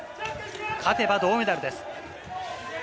勝てば銅メダルです。